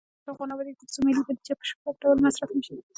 افغانستان تر هغو نه ابادیږي، ترڅو ملي بودیجه په شفاف ډول مصرف نشي.